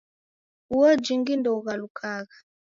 Uo jingi ndeughalukagha.